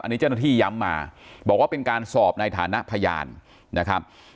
อันนี้เจ้าหน้าที่ย้ำมาบอกว่าเป็นการสอบในฐานะพยานนะครับ